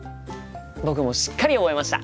僕もしっかり覚えました！